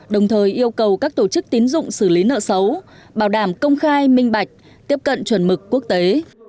đồng thời yêu cầu các tổ chức tín dụng xử lý nợ xấu bảo đảm công khai minh bạch tiếp cận chuẩn mực quốc tế